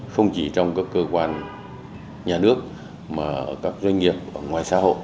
không chỉ trong các cơ quan nhà nước mà ở các doanh nghiệp ở ngoài xã hội